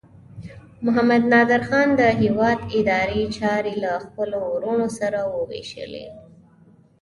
محمد نادر خان د هیواد اداري چارې له خپلو وروڼو سره وویشلې.